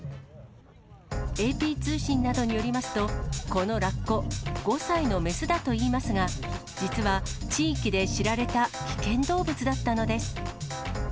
ＡＰ通信などによりますと、このラッコ、５歳の雌だといいますが、実は地域で知られた危険動物だったのです。